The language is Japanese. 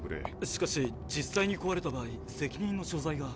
しかし実際にこわれた場合責任の所在が。